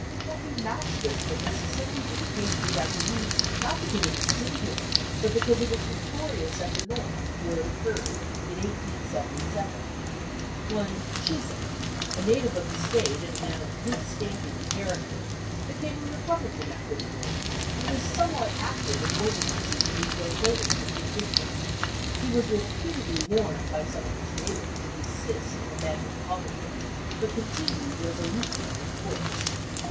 Let me match this from Mississippi with a case which I produce, not because it was singular, but because it was notorious at the North, where it occurred, in 1877. One Chisholm, a native of the State, and a man of good standing and character, became a Republican after the war, and was somewhat active in organizing the negro voters in his district. He was repeatedly warned by some of his neighbours to desist and abandon politics, but continued resolutely on his course.